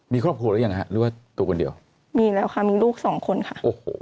มีครอบครัวหรือยังฮะหรือว่าตัวคนเดียวมีแล้วค่ะมีลูกสองคนค่ะโอ้โห